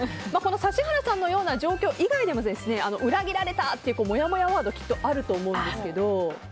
指原さんのような状況以外にも裏切られたとかもやもやワードあると思いますが。